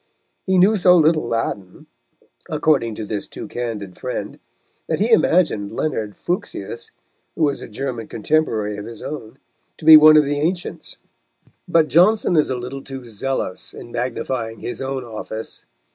He knew so little Latin, according to this too candid friend, that he imagined Leonard Fuchsius, who was a German contemporary of his own, to be one of the ancients. But Johnson is a little too zealous in magnifying his own office.